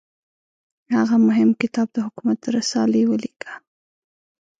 هغه مهم کتاب د حکومت رسالې ولیکه.